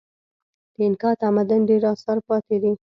د اینکا تمدن ډېر اثار پاتې دي.